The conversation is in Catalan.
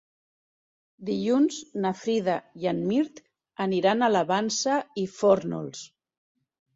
Dilluns na Frida i en Mirt aniran a la Vansa i Fórnols.